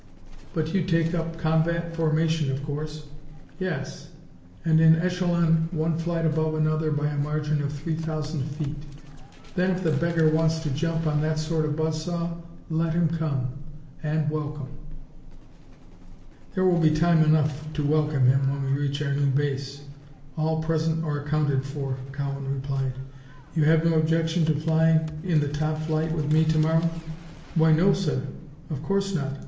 "But you'd take up combat formation, of course?" "Yes, and in echelon, one flight above another by a margin of three thousand feet. Then, if the beggar wants to jump on that sort of buzz saw, let him come and welcome." "There will be time enough to welcome him when we reach our new base all present or accounted for," Cowan replied. "You have no objection to flying in the top flight with me to morrow?" "Why, no sir. Of course not.